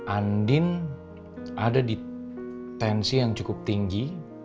andin ada di tensi yang cukup tinggi